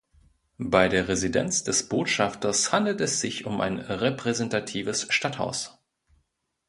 Bei der Residenz des Botschafters handelt es sich um ein repräsentatives Stadthaus.